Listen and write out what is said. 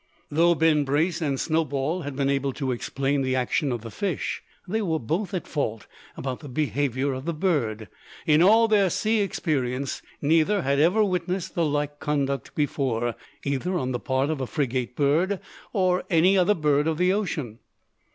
Though Ben Brace and Snowball had been able to explain the action of the fish, they were both at fault about the behaviour of the bird. In all their sea experience neither had ever witnessed the like conduct before, either on the part of a frigate bird, or any other bird of the ocean.